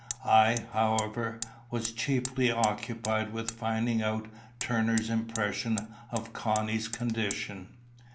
I, however, was chiefly occupied with finding out Turner's impression of Connie's condition.